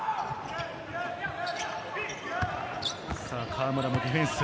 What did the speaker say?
河村もディフェンス。